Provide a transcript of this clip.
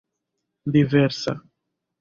diversa